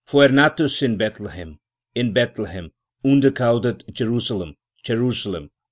35,) Puer natus in Bethlehem, In Bethlehem, Unde gaudet Jerusalem, Jerusalem.